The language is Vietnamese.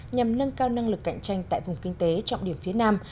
nhằm nâng cao năng lực cạnh tranh tại vùng kinh tế trọng điểm phía nam